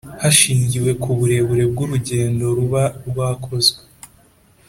hashingiwe ku burebure bw’urugendo ruba rwakozwe.